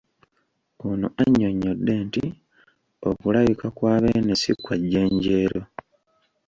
Ono annyonnyodde nti okulabika kwa Beene ssi kwa jjenjeero.